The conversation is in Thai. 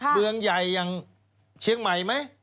เมืองใหญ่อย่างเชียงใหม่ไหม